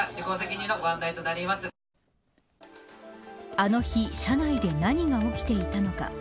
あの日車内で何が起きていたのか。